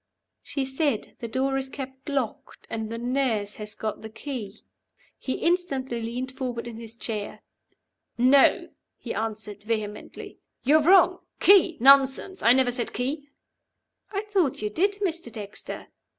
"She said, 'The door is kept locked, and the nurse has got the key.'" He instantly leaned forward in his chair. "No!" he answered, vehemently. "You're wrong. 'Key?' Nonsense! I never said 'Key.'" "I thought you did, Mr. Dexter."